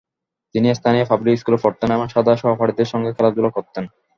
তিনি স্থানীয় পাবলিক স্কুলে পড়তেন এবং সাদা সহপাঠীদের সঙ্গে খেলাধুলা করেতেন।